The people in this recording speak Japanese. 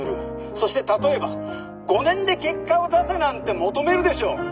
そして例えば５年で結果を出せなんて求めるでしょ。